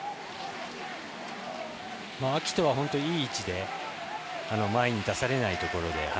暁斗は本当、いい位置で前に出されないところで。